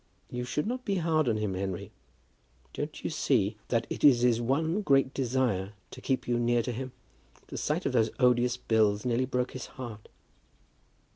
You should not be hard on him, Henry. Don't you see that it is his one great desire to keep you near to him? The sight of those odious bills nearly broke his heart."